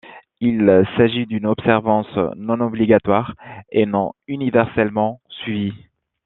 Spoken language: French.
Il s'agit d'une observance non obligatoire et non-universellement suivie.